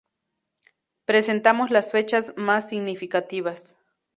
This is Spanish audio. Presentamos las fechas más significativas.